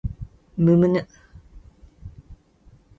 むむぬ